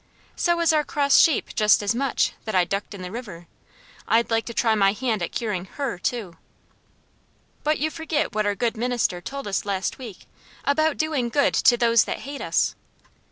"So is our cross sheep just as much, that I ducked in the river; I'd like to try my hand at curing HER too." "But you forget what our good minister told us last week, about doing good to those that hate us."